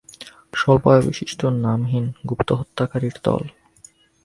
স্বল্প আয়ুবিশিষ্ট নামহীন গুপ্তহত্যাকারীর দল।